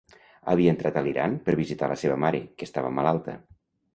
Havia entrat a l'Iran per visitar la seva mare, que estava malalta.